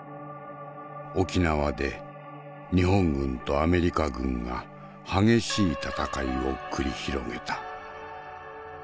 沖縄で日本軍とアメリカ軍が激しい戦いを繰り広げた。